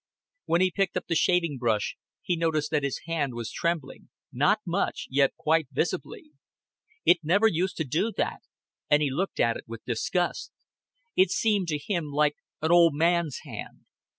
When he picked up the shaving brush, he noticed that his hand was trembling not much, yet quite visibly. It never used to do that, and he looked at it with disgust. It seemed to him like an old man's hand.